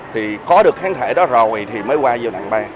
thì có được kháng thể đó rồi thì mới qua giai đoạn ba